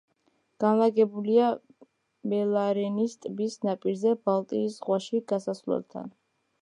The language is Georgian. განლაგებულია მელარენის ტბის ნაპირზე ბალტიის ზღვაში გასასვლელთან.